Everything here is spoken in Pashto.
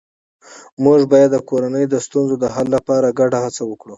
موږ باید د کورنۍ د ستونزو د حل لپاره ګډه هڅه وکړو